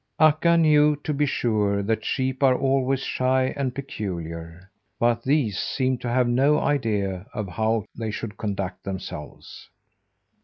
Akka knew, to be sure, that sheep are always shy and peculiar; but these seemed to have no idea of how they should conduct themselves.